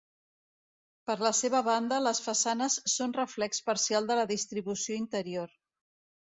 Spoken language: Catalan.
Per la seva banda, les façanes són reflex parcial de la distribució interior.